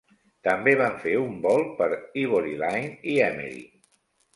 També van fer un volt per Ivoryline i Emery.